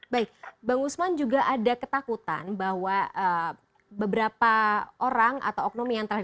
baik bang usman juga ada ketakutan bahwa beberapa orang atau oknum yang telah